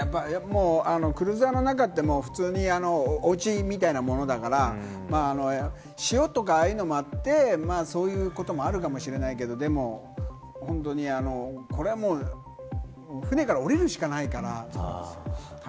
クルーザーの中って普通におうちみたいなものだから、潮とか、ああいうのもあって、そういうのもあるかもしれないけれども、でも本当にこれはもう船から降りるしかないかなと。